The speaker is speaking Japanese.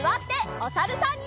おさるさん。